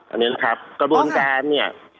อันนี้นะครับกระบวนการเนี่ย